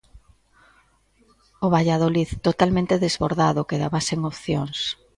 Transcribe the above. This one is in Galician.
O Valladolid, totalmente desbordado, quedaba sen opcións.